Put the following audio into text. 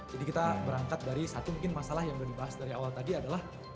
jadi kita berangkat dari satu mungkin masalah yang udah dibahas dari awal tadi adalah